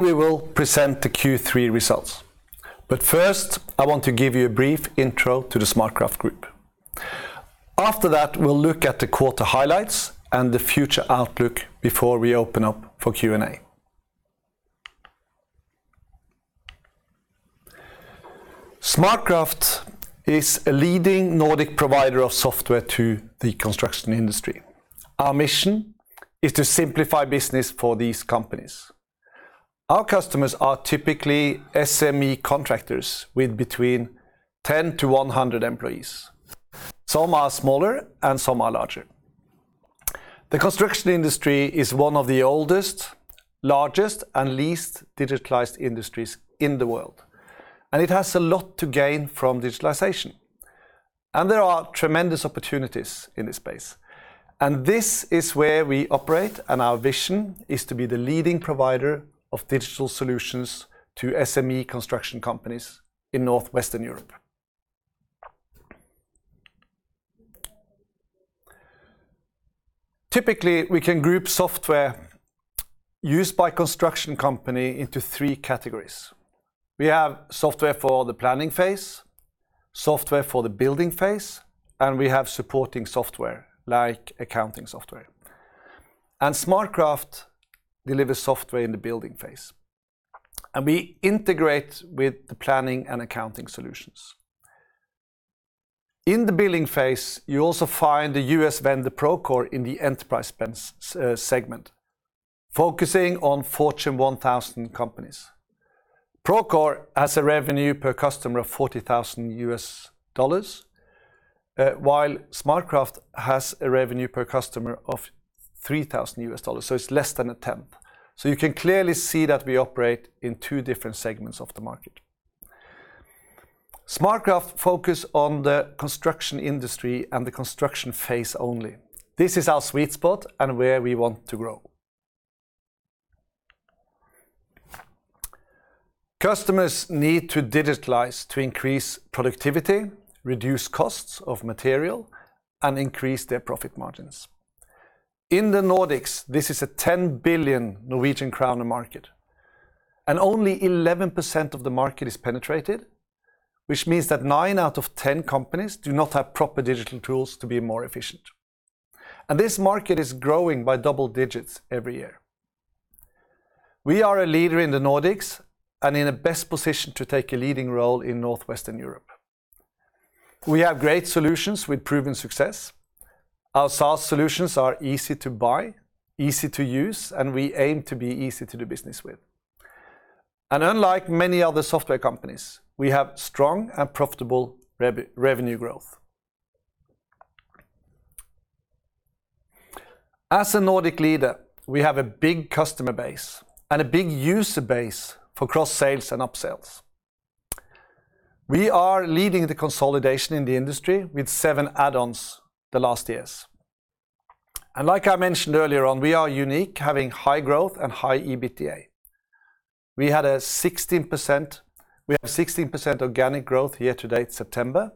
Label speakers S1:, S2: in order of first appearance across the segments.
S1: We will present the Q3 results. First, I want to give you a brief intro to the SmartCraft group. After that, we'll look at the quarter highlights and the future outlook before we open up for Q&A. SmartCraft is a leading Nordic provider of software to the construction industry. Our mission is to simplify business for these companies. Our customers are typically SME contractors with between 10 to 100 employees. Some are smaller, and some are larger. The construction industry is one of the oldest, largest, and least digitalized industries in the world, and it has a lot to gain from digitalization. There are tremendous opportunities in this space, and this is where we operate. Our vision is to be the leading provider of digital solutions to SME construction companies in Northwestern Europe. Typically, we can group software used by construction companies into three categories. We have software for the planning phase, software for the building phase, and we have supporting software, like accounting software. SmartCraft delivers software in the building phase, and we integrate with the planning and accounting solutions. In the building phase, you also find the U.S. vendor Procore in the enterprise segment, focusing on Fortune 1000 companies. Procore has a revenue per customer of $40,000, while SmartCraft has a revenue per customer of $3,000, so it's less than a tenth. You can clearly see that we operate in two different segments of the market. SmartCraft focuses on the construction industry and the construction phase only. This is our sweet spot and where we want to grow. Customers need to digitalize to increase productivity, reduce material costs, and increase their profit margins. In the Nordics, this is a 10 billion Norwegian crown market, and only 11% of the market is penetrated, which means that nine out of ten companies do not have proper digital tools to be more efficient. This market is growing by double digits every year. We are a leader in the Nordics and in the best position to take a leading role in northwestern Europe. We have great solutions with proven success. Our SaaS solutions are easy to buy, easy to use, and we aim to be easy to do business with. Unlike many other software companies, we have strong and profitable revenue growth. As a Nordic leader, we have a big customer base and a big user base for cross-sales and up-sales. We are leading the consolidation in the industry with seven add-ons the last years. Like I mentioned earlier on, we are unique, having high growth and high EBITDA. We have 16% organic growth year-to-date September,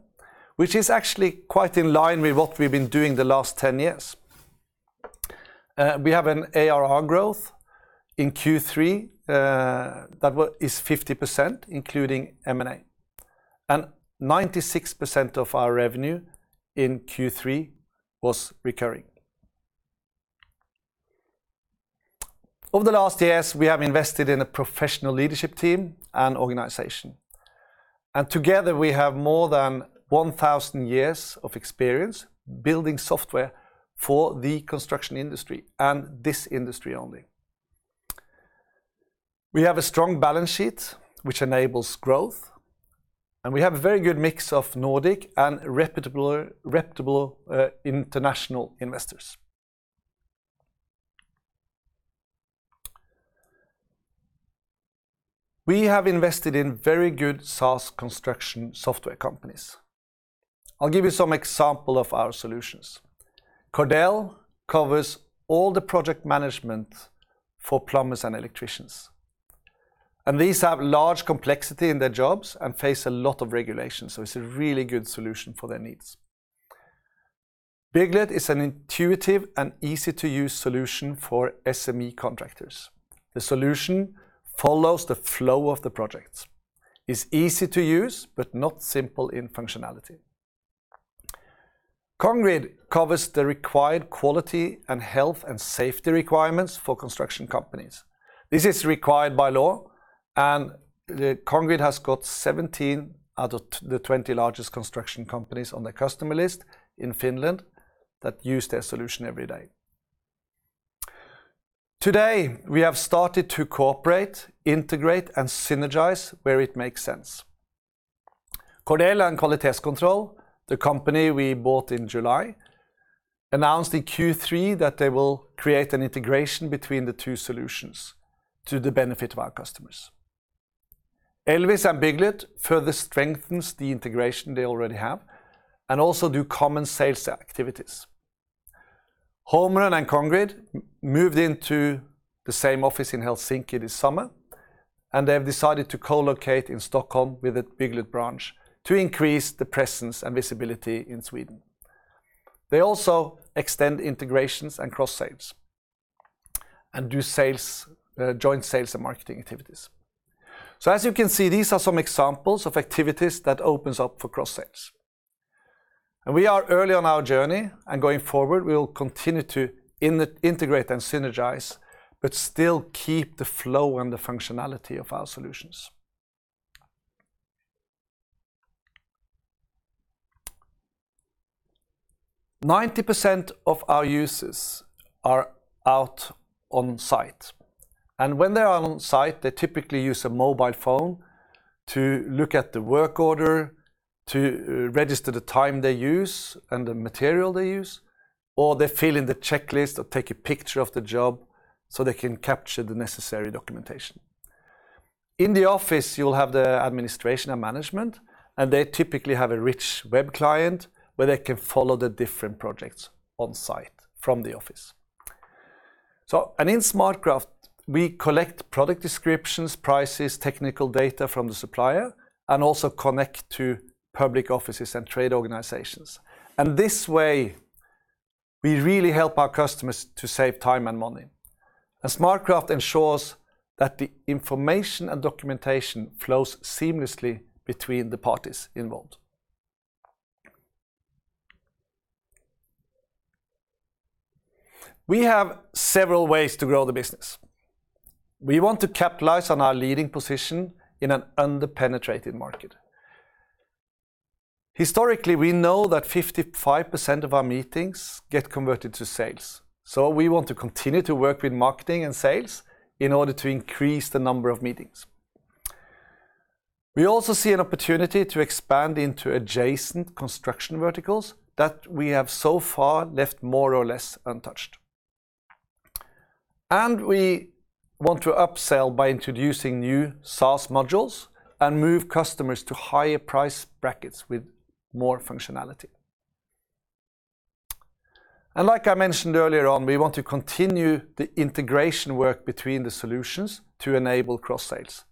S1: which is actually quite in line with what we've been doing the last 10 years. We have an ARR growth in Q3 that is 50%, including M&A. 96% of our revenue in Q3 was recurring. Over the last years, we have invested in a professional leadership team and organization, and together, we have more than 1,000 years of experience building software for the construction industry, and this industry only. We have a strong balance sheet, which enables growth, and we have a very good mix of Nordic and reputable international investors. We have invested in very good SaaS construction software companies. I'll give you some examples of our solutions. Cordel covers all the project management for plumbers and electricians, and these have large complexity in their jobs and face a lot of regulation, so it's a really good solution for their needs. Bygglet is an intuitive and easy-to-use solution for SME contractors. The solution follows the flow of the projects, is easy to use, but not simple in functionality. Congrid covers the required quality and health and safety requirements for construction companies. This is required by law, and Congrid has got 17 out of the 20 largest construction companies on their customer list in Finland that use their solution every day. Today, we have started to cooperate, integrate, and synergize where it makes sense. Cordel and Kvalitetskontroll, the company we bought in July, announced in Q3 that they will create an integration between the two solutions to the benefit of our customers. EL-VIS and Bygglet further strengthens the integration they already have and also do common sales activities. HomeRun and Congrid moved into the same office in Helsinki this summer, and they have decided to co-locate in Stockholm with the Bygglet branch to increase the presence and visibility in Sweden. They also extend integrations and cross sales, and do sales, joint sales and marketing activities. As you can see, these are some examples of activities that open up for cross sales. We are early on our journey, and going forward, we will continue to integrate and synergize, but still keep the flow and the functionality of our solutions. 90% of our users are out on site, and when they're on site, they typically use a mobile phone to look at the work order, to register the time they use, and the material they use, or they fill in the checklist or take a picture of the job so they can capture the necessary documentation. In the office, you'll have the administration and management, and they typically have a rich web client where they can follow the different projects on site from the office. In SmartCraft, we collect product descriptions, prices, technical data from the supplier, and also connect to public offices and trade organizations. This way, we really help our customers to save time and money. SmartCraft ensures that the information and documentation flows seamlessly between the parties involved. We have several ways to grow the business. We want to capitalize on our leading position in an under-penetrated market. Historically, we know that 55% of our meetings get converted to sales, so we want to continue to work with marketing and sales in order to increase the number of meetings. We also see an opportunity to expand into adjacent construction verticals that we have so far left more or less untouched. We want to upsell by introducing new SaaS modules and move customers to higher price brackets with more functionality. Like I mentioned earlier on, we want to continue the integration work between the solutions to enable cross-sales.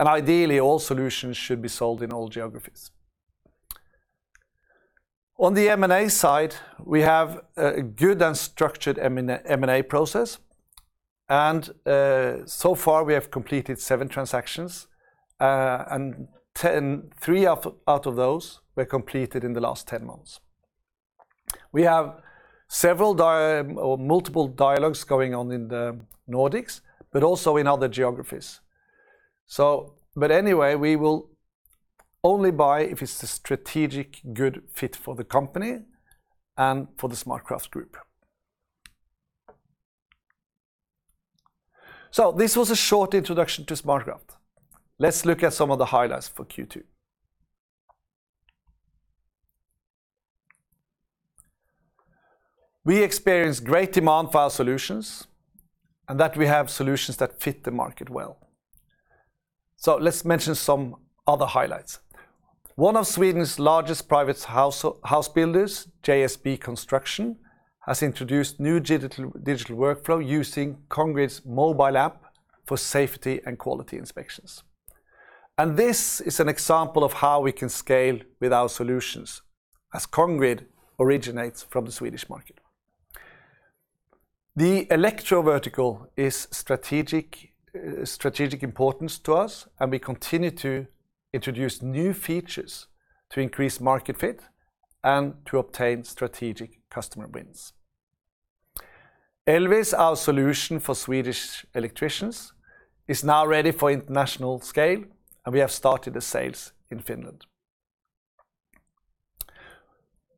S1: Ideally, all solutions should be sold in all geographies. On the M&A side, we have a good and structured M&A process, and so far we have completed seven transactions. Three out of those were completed in the last 10 months. We have several or multiple dialogues going on in the Nordics, but also in other geographies. Anyway, we will only buy if it's a strategic good fit for the company and for the SmartCraft group. This was a short introduction to SmartCraft. Let's look at some of the highlights for Q2. We experience great demand for our solutions, and that we have solutions that fit the market well. Let's mention some other highlights. One of Sweden's largest private house builders, JSB Construction, has introduced new digital workflow using Congrid's mobile app for safety and quality inspections. This is an example of how we can scale with our solutions, as Congrid originates from the Swedish market. The electrical vertical is of strategic importance to us, and we continue to introduce new features to increase market fit and to obtain strategic customer wins. EL-VIS, our solution for Swedish electricians, is now ready for international scale, and we have started the sales in Finland.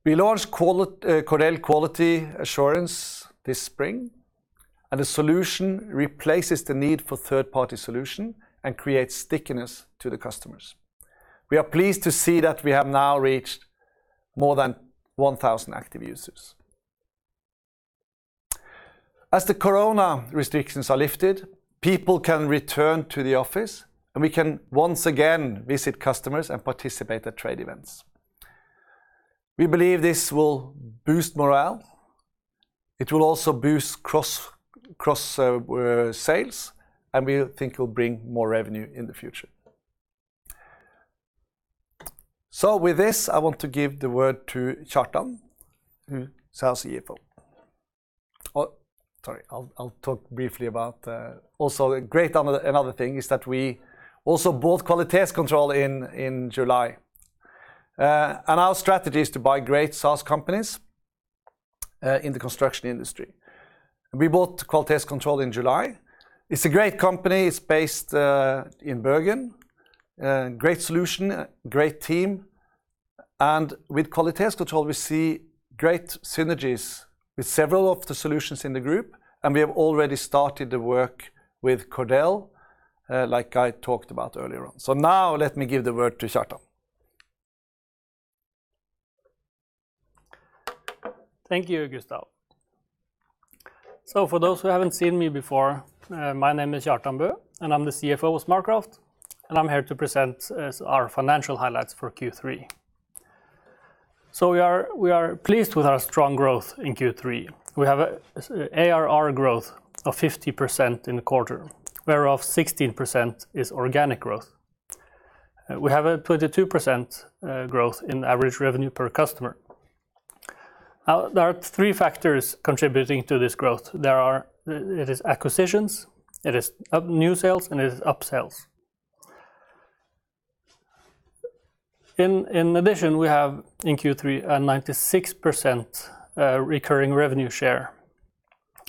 S1: We launched Cordel Quality Assurance this spring, and the solution replaces the need for third-party solution and creates stickiness to the customers. We are pleased to see that we have now reached more than 1,000 active users. As the corona restrictions are lifted, people can return to the office, and we can once again visit customers and participate at trade events. We believe this will boost morale. It will also boost cross sales, and we think it will bring more revenue in the future. With this, I want to give the word to Kjartan Bø, who is CFO. Oh, sorry. I'll talk briefly about also a great another thing is that we also bought Kvalitetskontroll in July. Our strategy is to buy great SaaS companies in the construction industry. We bought Kvalitetskontroll in July. It's a great company. It's based in Bergen, great solution, great team. With Kvalitetskontroll, we see great synergies with several of the solutions in the group, and we have already started the work with Cordel, like I talked about earlier on. Now let me give the word to Kjartan.
S2: Thank you, Gustav. For those who haven't seen me before, my name is Kjartan Bø, and I'm the CFO of SmartCraft, and I'm here to present our financial highlights for Q3. We are pleased with our strong growth in Q3. We have an ARR growth of 50% in the quarter, whereof 16% is organic growth. We have a 22% growth in average revenue per customer. There are three factors contributing to this growth. It is acquisitions, it is new sales, and it is upsells. In addition, we have in Q3 a 96% recurring revenue share.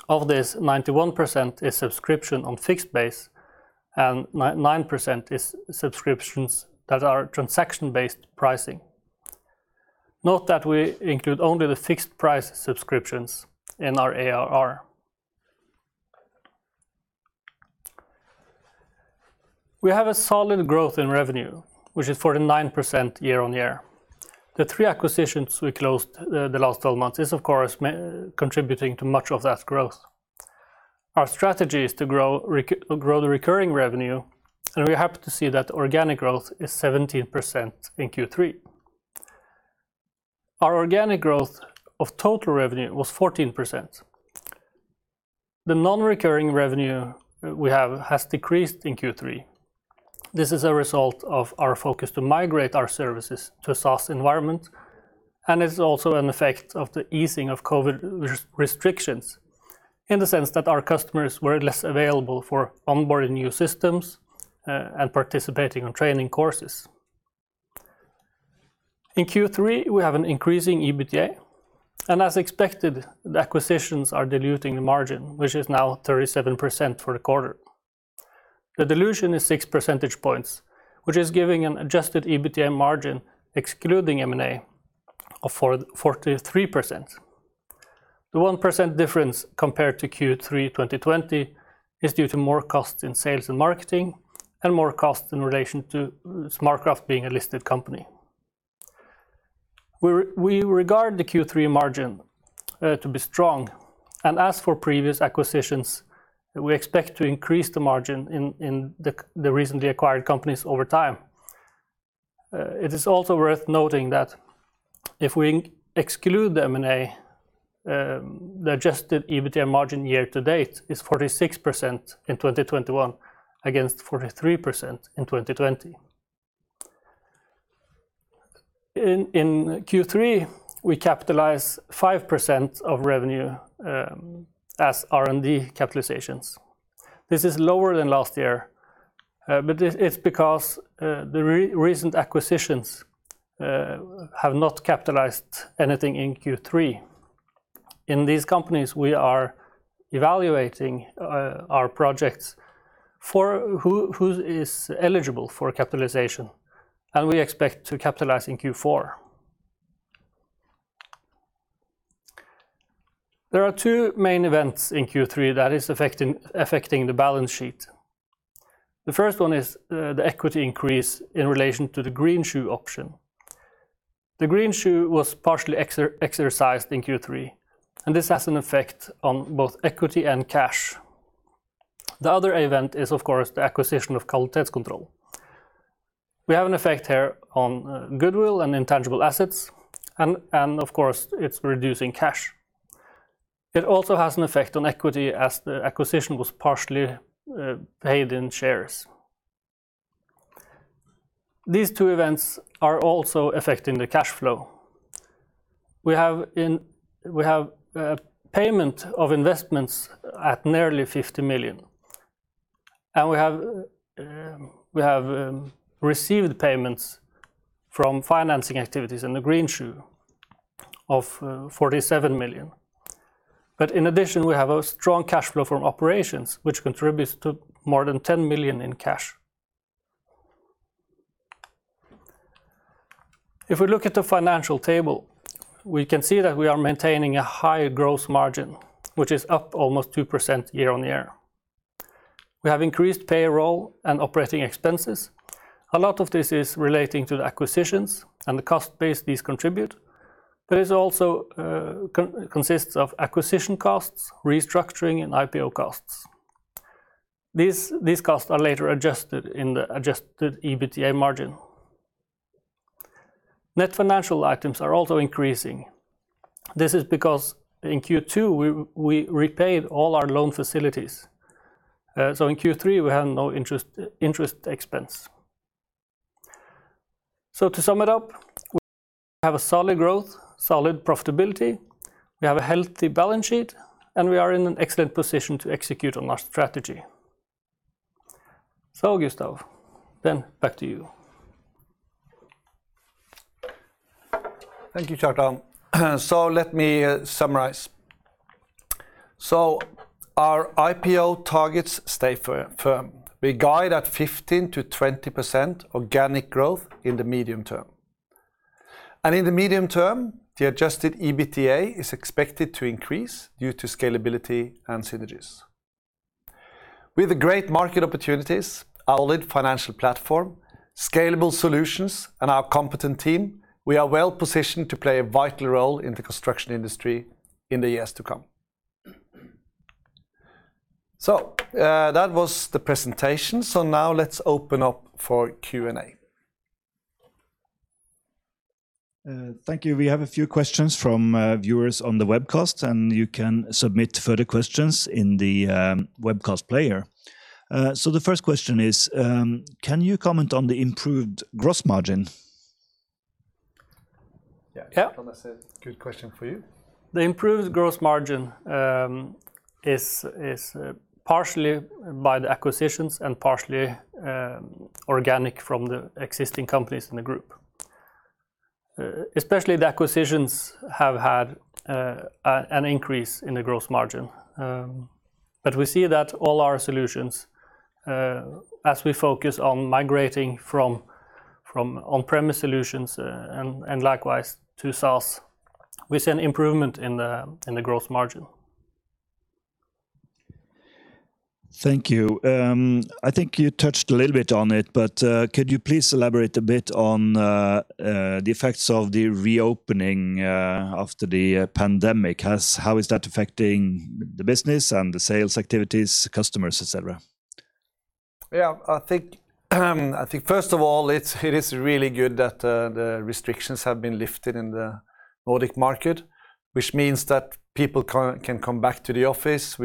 S2: Of this, 91% is subscription on fixed base and 9% is subscriptions that are transaction-based pricing. Note that we include only the fixed price subscriptions in our ARR. We have a solid growth in revenue, which is 49% year-on-year. The three acquisitions we closed the last 12 months is, of course, contributing to much of that growth. Our strategy is to grow the recurring revenue, and we're happy to see that organic growth is 17% in Q3. Our organic growth of total revenue was 14%. The non-recurring revenue we have has decreased in Q3. This is a result of our focus to migrate our services to a SaaS environment, and it's also an effect of the easing of COVID restrictions in the sense that our customers were less available for onboarding new systems and participating on training courses. In Q3, we have an increasing EBITDA, and as expected, the acquisitions are diluting the margin, which is now 37% for the quarter. The dilution is six percentage points, which is giving an adjusted EBITDA margin, excluding M&A, of 43%. The 1% difference compared to Q3 2020 is due to more cost in sales and marketing and more cost in relation to SmartCraft being a listed company. We regard the Q3 margin to be strong, and as for previous acquisitions, we expect to increase the margin in the recently acquired companies over time. It is also worth noting that if we exclude the M&A, the adjusted EBITDA margin year to date is 46% in 2021 against 43% in 2020. In Q3, we capitalize 5% of revenue as R&D capitalizations. This is lower than last year, but it's because the recent acquisitions have not capitalized anything in Q3. In these companies, we are evaluating our projects for who is eligible for capitalization, and we expect to capitalize in Q4. There are two main events in Q3 that is affecting the balance sheet. The first one is the equity increase in relation to the greenshoe option. The greenshoe was partially exercised in Q3, and this has an effect on both equity and cash. The other event is, of course, the acquisition of Kvalitetskontroll. We have an effect here on goodwill and intangible assets, and of course, it's reducing cash. It also has an effect on equity as the acquisition was partially paid in shares. These two events are also affecting the cash flow. We have payment of investments at nearly 50 million, and we have received payments from financing activities in the greenshoe of 47 million. In addition, we have a strong cash flow from operations, which contributes to more than 10 million in cash. If we look at the financial table, we can see that we are maintaining a high growth margin, which is up almost 2% year-over-year. We have increased payroll and operating expenses. A lot of this is relating to the acquisitions and the cost base these contribute, but it also consists of acquisition costs, restructuring, and IPO costs. These costs are later adjusted in the adjusted EBITDA margin. Net financial items are also increasing. This is because in Q2, we repaid all our loan facilities. In Q3, we have no interest expense. To sum it up, we have a solid growth, solid profitability. We have a healthy balance sheet, and we are in an excellent position to execute on our strategy. Gustav, then back to you.
S1: Thank you, Kjartan. Let me summarize. Our IPO targets stay firm. We guide at 15%-20% organic growth in the medium term. In the medium term, the adjusted EBITDA is expected to increase due to scalability and synergies. With the great market opportunities, our solid financial platform, scalable solutions, and our competent team, we are well positioned to play a vital role in the construction industry in the years to come. That was the presentation. Now let's open up for Q&A.
S3: Thank you. We have a few questions from viewers on the webcast, and you can submit further questions in the webcast player. The first question is, can you comment on the improved gross margin?
S1: Yeah.
S2: Yeah.
S1: Kjartan, that's a good question for you.
S2: The improved gross margin is partially by the acquisitions and partially organic from the existing companies in the group. Especially the acquisitions have had an increase in the gross margin. We see that all our solutions, as we focus on migrating from on-premise solutions and likewise to SaaS, we see an improvement in the gross margin.
S3: Thank you. I think you touched a little bit on it, but could you please elaborate a bit on the effects of the reopening after the pandemic? How is that affecting the business and the sales activities, customers, et cetera?
S1: Yeah. I think first of all, it is really good that the restrictions have been lifted in the Nordic market, which means that people can come back to the office.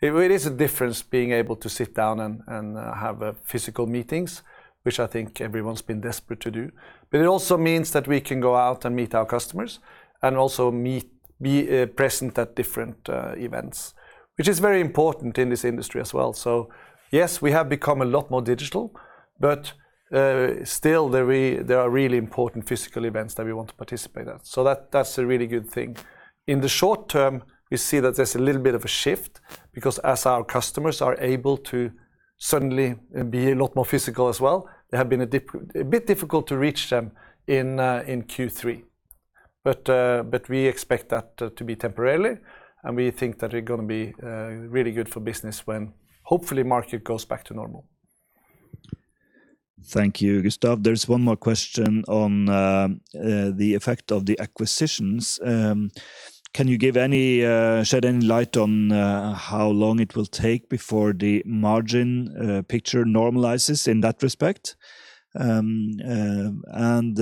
S1: It really is a difference being able to sit down and have physical meetings, which I think everyone's been desperate to do. It also means that we can go out and meet our customers, and also be present at different events, which is very important in this industry as well. Yes, we have become a lot more digital, but still there are really important physical events that we want to participate at. That's a really good thing. In the short term, we see that there's a little bit of a shift because as our customers are able to suddenly be a lot more physical as well, they have been a bit difficult to reach them in Q3. We expect that to be temporarily, and we think that it gonna be really good for business when hopefully market goes back to normal.
S3: Thank you, Gustav. There's one more question on the effect of the acquisitions. Can you shed any light on how long it will take before the margin picture normalizes in that respect? And in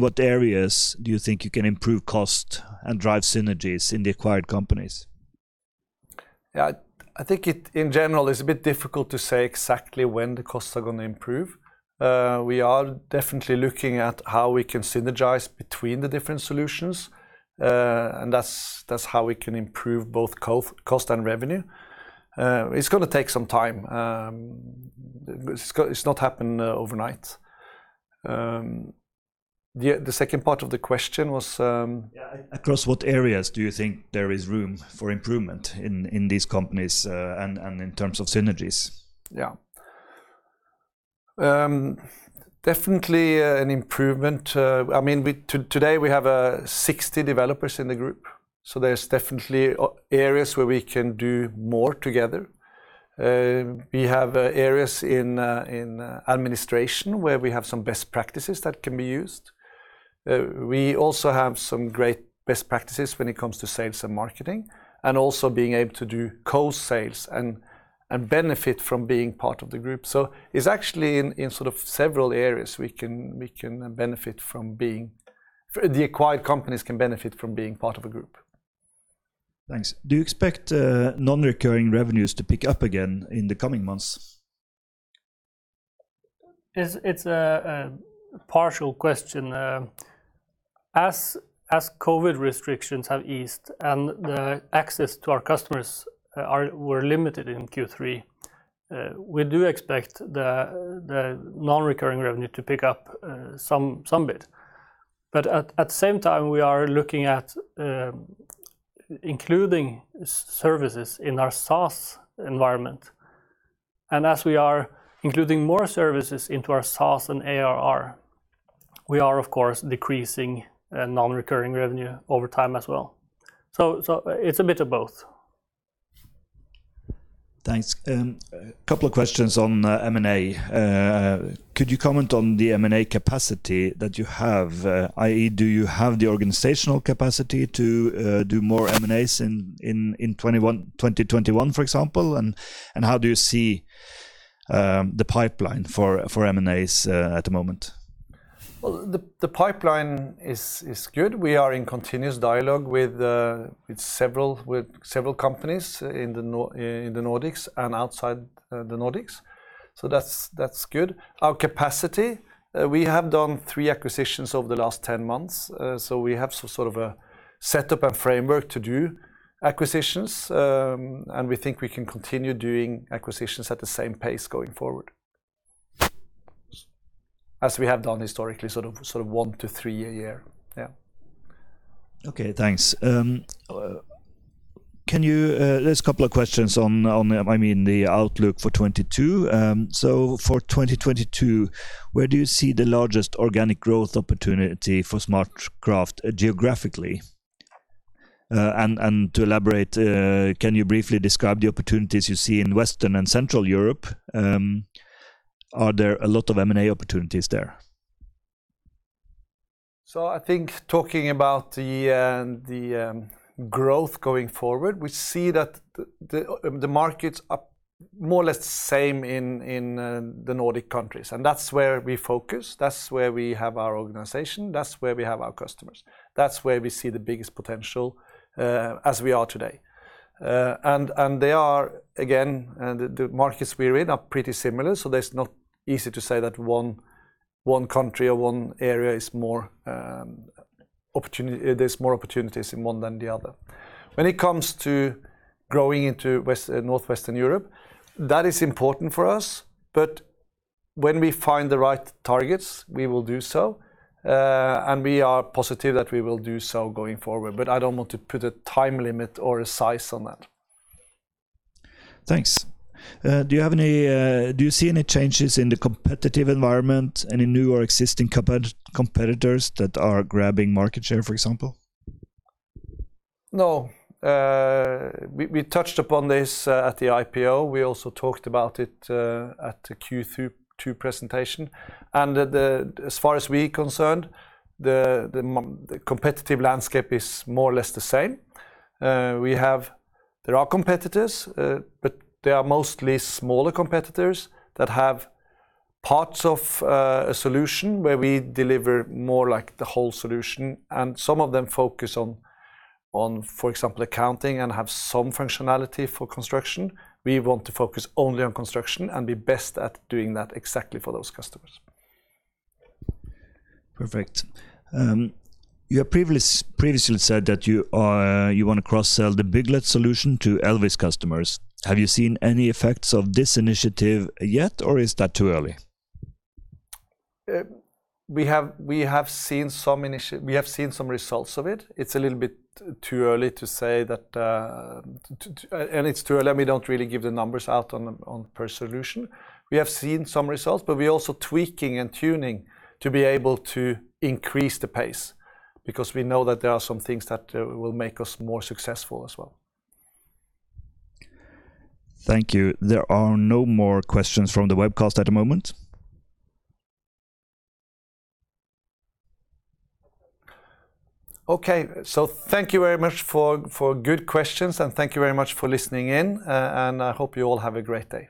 S3: what areas do you think you can improve cost and drive synergies in the acquired companies?
S1: Yeah. I think it, in general, is a bit difficult to say exactly when the costs are gonna improve. We are definitely looking at how we can synergize between the different solutions. And that's how we can improve both cost and revenue. It's gonna take some time. It's not gonna happen overnight. The second part of the question was,
S3: Yeah. Across what areas do you think there is room for improvement in these companies, and in terms of synergies?
S1: Yeah. Definitely, an improvement. I mean, today we have 60 developers in the group, so there's definitely areas where we can do more together. We have areas in administration where we have some best practices that can be used. We also have some great best practices when it comes to sales and marketing, and also being able to do co-sales and benefit from being part of the group. It's actually in sort of several areas we can benefit from being. The acquired companies can benefit from being part of a group.
S3: Thanks. Do you expect non-recurring revenues to pick up again in the coming months?
S2: It's a partial question. As COVID restrictions have eased and the access to our customers were limited in Q3, we do expect the non-recurring revenue to pick up some bit. At the same time, we are looking at including services in our SaaS environment. As we are including more services into our SaaS and ARR, we are of course decreasing non-recurring revenue over time as well. It's a bit of both.
S3: Thanks. A couple of questions on M&A. Could you comment on the M&A capacity that you have? I.e., do you have the organizational capacity to do more M&As in 2021, for example? How do you see the pipeline for M&As at the moment?
S1: Well, the pipeline is good. We are in continuous dialogue with several companies in the Nordics and outside the Nordics. That's good. Our capacity, we have done three acquisitions over the last 10 months. We have some sort of a setup and framework to do acquisitions. We think we can continue doing acquisitions at the same pace going forward, as we have done historically, sort of one-three a year. Yeah.
S3: Okay, thanks. There's a couple of questions on, I mean, the outlook for 2022. For 2022, where do you see the largest organic growth opportunity for SmartCraft geographically? To elaborate, can you briefly describe the opportunities you see in Western and Central Europe? Are there a lot of M&A opportunities there?
S1: I think talking about the markets are more or less the same in the Nordic countries, and that's where we focus. That's where we have our organization. That's where we have our customers. That's where we see the biggest potential as we are today. Again, the markets we're in are pretty similar, so that's not easy to say that one country or one area is more opportunity, there's more opportunities in one than the other. When it comes to growing into northwestern Europe, that is important for us. When we find the right targets, we will do so. We are positive that we will do so going forward, but I don't want to put a time limit or a size on that.
S3: Thanks. Do you have any? Do you see any changes in the competitive environment? Any new or existing competitors that are grabbing market share, for example?
S1: No, we touched upon this at the IPO. We also talked about it at the Q2 presentation. As far as we're concerned, the competitive landscape is more or less the same. We have competitors, but they are mostly smaller competitors that have parts of a solution where we deliver more like the whole solution, and some of them focus on, for example, accounting and have some functionality for construction. We want to focus only on construction and be best at doing that exactly for those customers.
S3: Perfect. You have previously said that you want to cross-sell the Bygglet solution to EL-VIS customers. Have you seen any effects of this initiative yet, or is that too early?
S1: We have seen some results of it. It's a little bit too early to say that. It's too early, and we don't really give the numbers out on per solution. We have seen some results, but we're also tweaking and tuning to be able to increase the pace because we know that there are some things that will make us more successful as well.
S3: Thank you. There are no more questions from the webcast at the moment.
S1: Thank you very much for good questions, and thank you very much for listening in. I hope you all have a great day.